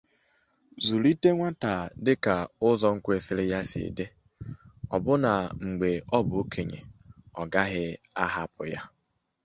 iji mara ka ọnọdụ siri gbata kwụrụ n'ebe ahụ.